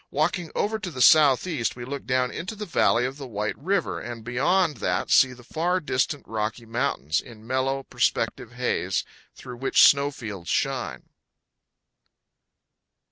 Walking over to the southeast, we look down into the valley of White River, and beyond that see the far distant Rocky Mountains, in mellow, perspective haze, through which snow fields shine.